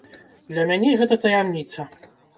Для мяне гэта таямніца.